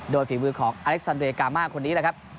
โดยฝีมือของอเล็กซันเรยกามาคนนี้แหละครับ